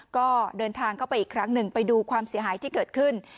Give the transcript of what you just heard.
ก็เดินทางเข้าไปอีกครั้งหนึ่งไปดูความเสียหายที่เกิดขึ้น